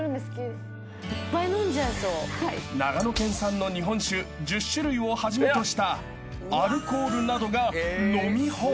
［長野県産の日本酒１０種類をはじめとしたアルコールなどが飲み放題］